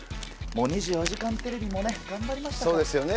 もう２４時間テレビも頑張りましそうですよね。